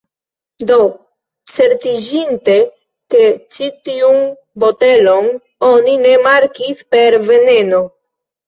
Do, certiĝinte ke ĉi tiun botelon oni ne markis per 'veneno'